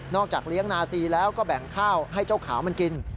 จากเลี้ยงนาซีแล้วก็แบ่งข้าวให้เจ้าขาวมันกิน